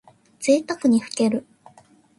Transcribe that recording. ぜいたくにふける。